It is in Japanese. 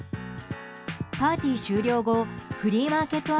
パーティー終了後フリーマーケット